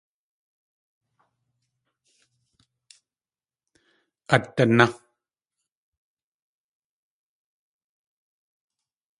At daná.